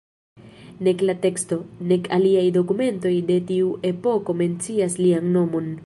Nek la teksto, nek aliaj dokumentoj de tiu epoko mencias lian nomon.